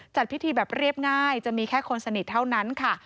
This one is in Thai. จัดพิธีแบบเรียบง่ายจะมีแค่คนสนิทเท่านั้นค่ะ